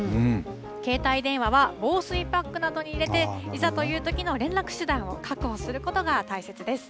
携帯電話は防水パックなどに入れていざというときの連絡手段を確保することが大切です。